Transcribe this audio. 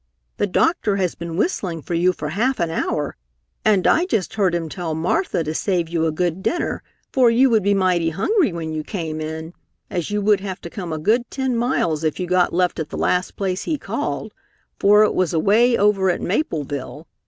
The doctor has been whistling for you for half an hour, and I just heard him tell Martha to save you a good dinner for you would be mighty hungry when you came in, as you would have to come a good ten miles if you got left at the last place he called, for it was away over at Mapleville.